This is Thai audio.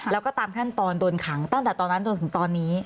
แล้วก็ตามขั้นตอนโดนขังตั้งแต่ตอนนั้นจนถึงตอนนี้